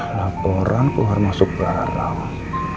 laporan keluar masuk berarang